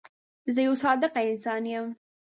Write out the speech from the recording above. زه یو صادقه انسان یم.